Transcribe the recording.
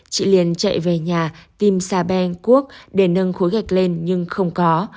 chị liền chạy về nhà tìm xa bên cuốc để nâng khối gạch lên nhưng không có